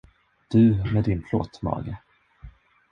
Du med din plåtmage.